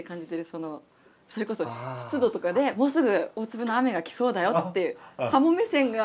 そのそれこそ湿度とかでもうすぐ大粒の雨が来そうだよっていう鱧目線の。